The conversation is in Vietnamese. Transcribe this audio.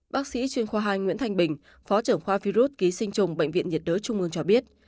bác sĩ chuyên khoa hai nguyễn thanh bình phó trưởng khoa virus ký sinh trùng bệnh viện nhiệt đới trung mương cho biết